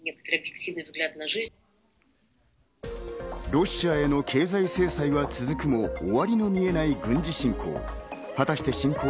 ロシアへの経済制裁は続くも、終わりの見えない軍事侵攻。